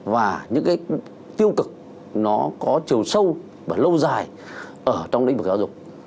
và những cái tiêu cực nó có chiều sâu và lâu dài ở trong lĩnh vực giáo dục